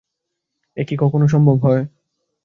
এ কি কখনো সম্ভব হয়।